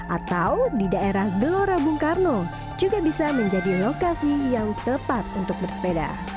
atau di daerah gelora bung karno juga bisa menjadi lokasi yang tepat untuk bersepeda